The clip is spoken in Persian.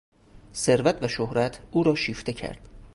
ثروت و شهرت او را شیفته کرد.